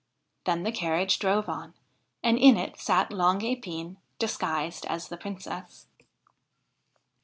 Then the carriage drove on, and in it sat Long Epine disguised as the Princess.